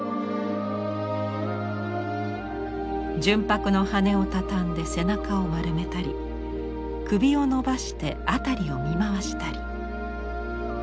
純白の羽を畳んで背中を丸めたり首を伸ばして辺りを見回したり。